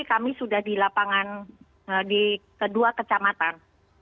kami sudah di lapangan di kedua kecamatan